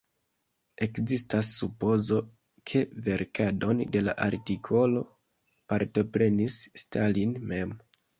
Ekzistas supozo, ke verkadon de la artikolo partoprenis Stalin mem.